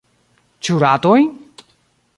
Ĉu ratojn?